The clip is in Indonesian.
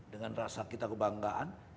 dengan rasa kita kebanggaan